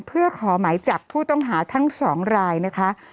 เพื่อขอหมายจับผู้ต้องหาทั้ง๒รายนะคะ